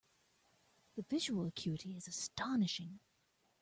The visual acuity is astonishing.